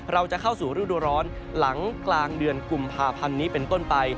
เราจะเข้าสู่ฤดูร้อนหลังกลางเดือนกุมภาพันธ์นี้เป็นต้นไป